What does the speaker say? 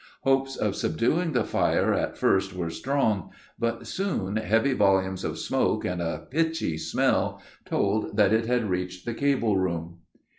Hopes of subduing the fire at first were strong, but soon heavy volumes of smoke and a pitchy smell told that it had reached the cable room.